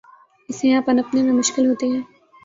اسے یہاں پنپنے میں مشکل ہوتی ہے۔